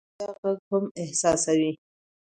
غوږونه د چوپتیا غږ هم احساسوي